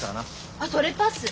あそれパス。